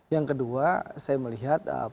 yang kedua saya melihat